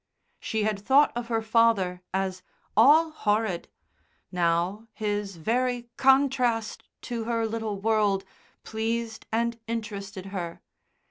She had thought of her father as "all horrid" now his very contrast to her little world pleased and interested her.